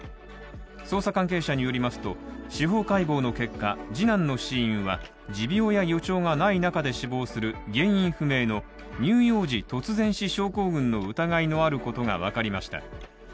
捜査関係者によりますと、司法解剖の結果、次男の死因は、持病や予兆がない中で死亡する原因不明の乳幼児突然死症候群の疑いのあることがわかりました。